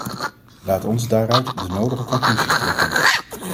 Laat ons daaruit de nodige conclusies trekken.